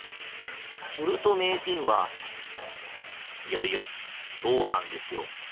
すると名人は『いやいやそうなんですよ。